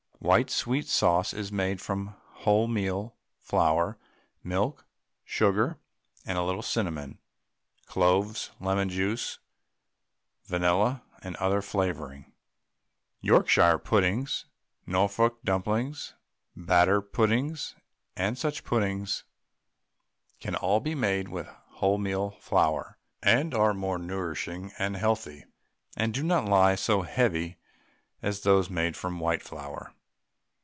White sweet sauce is made from wholemeal flour, milk, sugar, and a little cinnamon, cloves, lemon juice, vanilla, or other flavouring. Yorkshire puddings, Norfolk dumplings, batter puddings, and such puddings can all be made with wholemeal flour, and are more nourishing and healthy, and do not lie so heavy as those made from white flour.